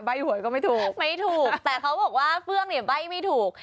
หวยก็ไม่ถูกไม่ถูกแต่เขาบอกว่าเฟื่องเนี่ยใบ้ไม่ถูก